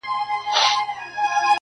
ملنگ خو دي وڅنگ ته پرېږده~